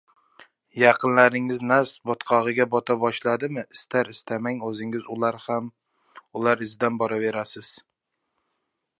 Yaqinlaringiz nafs botqog‘iga bota boshladimi, istar-istamang o‘zingiz ham ular izidan boraverasiz.